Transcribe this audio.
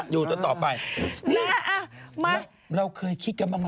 อยู่ที่นี่เหรอ